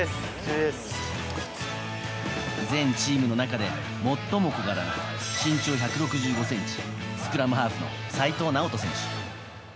全チームの中で最も小柄な身長１６５ｃｍスクラムハーフの齋藤直人選手。